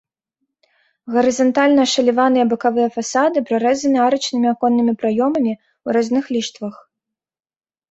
Гарызантальна ашаляваныя бакавыя фасады прарэзаны арачнымі аконнымі праёмамі ў разных ліштвах.